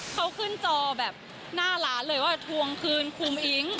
เขาขึ้นจอแบบหน้าร้านเลยว่าทวงคืนคุมอิ๊ง